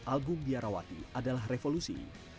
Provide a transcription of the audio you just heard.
album biarawati adalah revolusi